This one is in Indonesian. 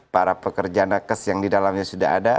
para pekerja nakes yang didalamnya sudah ada